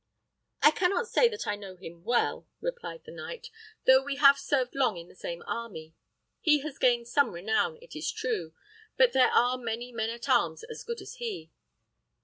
"I cannot say that I know him well," replied the knight, "though we have served long in the same army. He has gained some renown, it is true, but there are many men at arms as good as he."